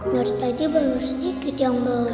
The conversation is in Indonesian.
dari tadi baru sedikit yang beli